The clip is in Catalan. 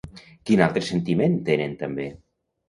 Quin altre sentiment tenen també?